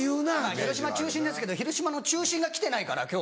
広島中心ですけど広島の中心が来てないから今日。